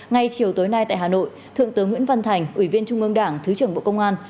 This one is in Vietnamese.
ngay chiều tối nay tại hà nội thượng tướng nguyễn văn thành ủy viên trung ương đảng thứ trưởng bộ công an